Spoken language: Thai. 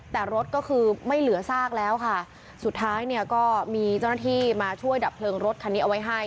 แต่รถก็คือไม่เหลือซากแล้วค่ะสุดท้ายเนี่ยก็มีเจ้าหน้าที่มาช่วยดับเพลิงรถคันนี้เอาไว้ให้